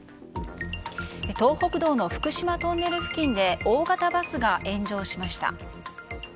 東北道の福島トンネル付近で大型バスが炎上しました。